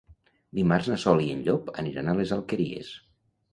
Dimarts na Sol i en Llop aniran a les Alqueries.